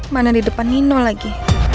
mana di depan nino lagi